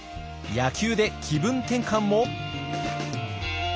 野球で気分転換も！？